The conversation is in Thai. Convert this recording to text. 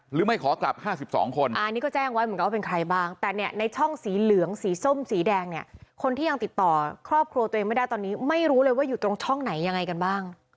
ไม่ขอกลับ๕๒คนอันนี้ก็แจ้งไว้เหมือนกันว่าเป็นใครบ้างแต่เนี่ยในช่องสีเหลืองสีส้มสีแดงเนี่ยคนที่ยังติดต่อครอบครัวตัวเองไม่ได้ตอนนี้ไม่รู้เลยว่าอยู่ตรงช่องไหนยังไงกันบ้าง